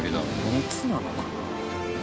熱なのかな？